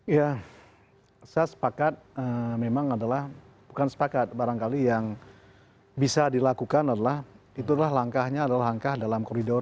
ya saya sepakat memang adalah bukan sepakat barangkali yang bisa dilakukan adalah itulah langkahnya adalah langkah dalam koridor